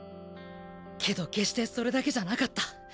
けど決してそれだけじゃなかった。